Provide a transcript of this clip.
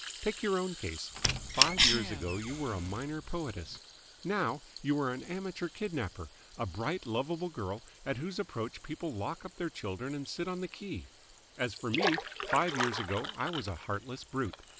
Take your own case. Five years ago you were a minor poetess. Now you are an amateur kidnapper a bright, lovable girl at whose approach people lock up their children and sit on the key. As for me, five years ago I was a heartless brute.